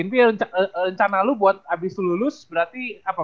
nanti rencana lu buat abis lu lulus berarti apa